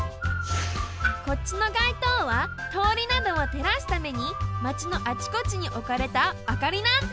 こっちの街灯はとおりなどをてらすためにマチのあちこちにおかれたあかりなんだ。